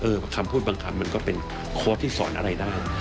คำพูดบางคำมันก็เป็นโค้ดที่สอนอะไรได้